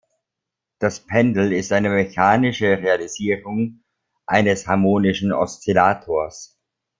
Das Pendel ist eine mechanische Realisierung eines harmonischen Oszillators.